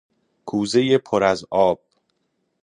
کوزهٔ پر از آب